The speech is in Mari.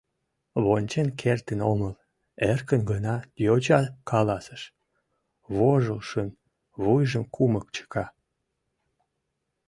— Вончен кертын омыл, — эркын гына йоча каласыш, вожылшын вуйжым кумык чыка.